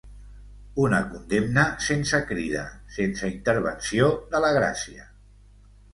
Una condemna sense crida, sense intervenció de la gràcia.